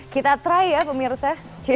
kita try ya pemirsa